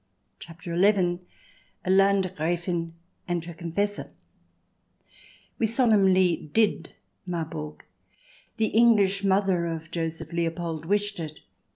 CHAPTER XI A LANDGRAFIN AND HER CONFESSOR We solemnly "did" Marburg. The English mother of Joseph Leopold wished it.